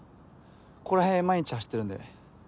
ここらへん毎日走ってるんで。